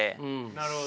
なるほどね。